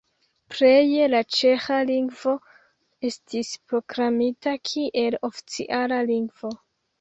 Pleje la ĉeĥa lingvo estis proklamita kiel oficiala lingvo.